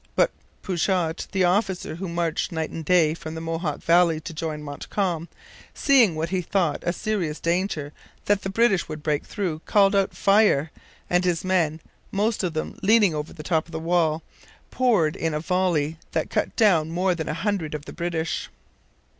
But Pouchot, the officer who had marched night and day from the Mohawk valley to join Montcalm, seeing what he thought a serious danger that the British would break through, called out 'Fire!' and his men, most of them leaning over the top of the wall, poured in a volley that cut down more than a hundred of the British.